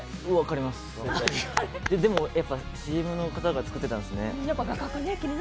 でも、ＣＭの方が作ってたんですね。